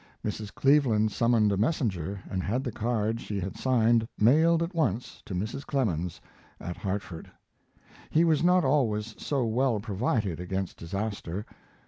Mrs. Cleveland summoned a messenger and had the card she had signed mailed at once to Mrs. Clemens at Hartford. He was not always so well provided against disaster.